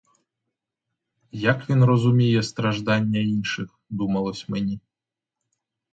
Як він розуміє страждання інших, — думалось мені.